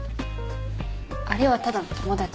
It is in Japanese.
あれはただの友達。